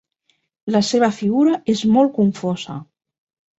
La seva figura és molt confosa.